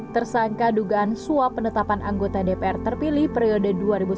tersangka dugaan suap penetapan anggota dpr terpilih periode dua ribu sembilan belas dua ribu